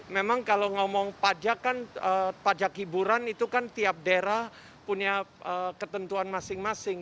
memang kalau ngomong pajak kan pajak hiburan itu kan tiap daerah punya ketentuan masing masing